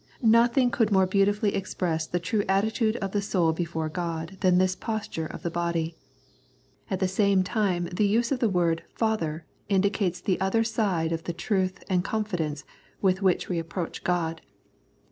Nothing could more beautifully express the true attitude of the soul before God than this posture of the body. At the same time the use of the word " Father " indicates the other side of the truth and confidence with which we approach God.